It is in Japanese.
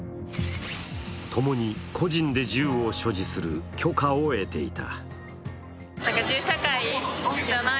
共に個人で銃を所持する許可を得ていた。